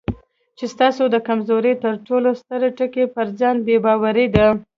چې ستاسې د کمزورۍ تر ټولو ستر ټکی پر ځان بې باوري ده.